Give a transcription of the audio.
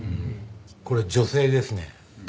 これ女性ですね。